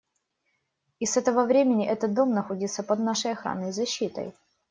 И с этого времени этот дом находится под нашей охраной и защитой.